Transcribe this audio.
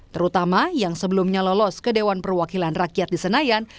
terutama yang sebelumnya lolos ke dewan perwakilan rakyat di senayan